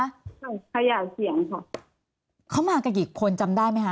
ส่งขยายเสียงค่ะเขามากันกี่คนจำได้ไหมคะ